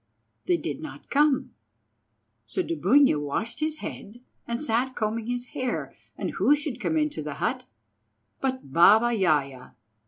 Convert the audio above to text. They did not come, so Dubunia washed his head and sat combing his hair, and who should come into the hut but Baba Yaja.